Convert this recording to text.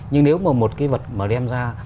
nhưng nếu mà một cái vật mà đem ra